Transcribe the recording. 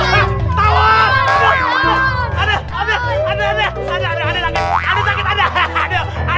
bermetamorfosis sendiri emang lupa pak ya kalau kita kalau kita nih nyarinya tahun tahun itu kan